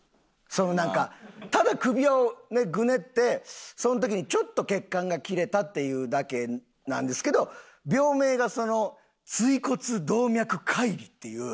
そのなんかただ首をぐねってその時にちょっと血管が切れたっていうだけなんですけど病名がその椎骨動脈乖離っていう